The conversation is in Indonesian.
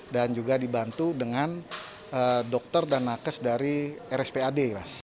dan juga dibantu dengan dokter dan nakes dari rspad